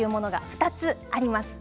２つあります。